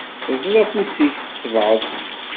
Ẓẓel afus-ik, tettebɛeḍ-t.